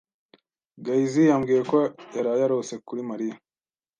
Gahizi yambwiye ko yaraye arose kuri Mariya.